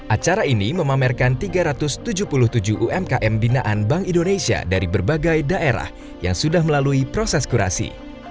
acara ini memamerkan tiga ratus tujuh puluh tujuh umkm binaan bank indonesia dari berbagai daerah yang sudah melalui proses kurasi